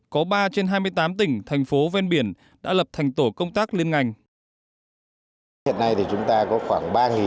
có ba trên hai mươi tám tỉnh thành phố ven biển đã lập thành tổ công tác liên ngành